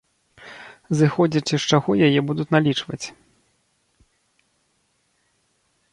Зыходзячы з чаго яе будуць налічваць?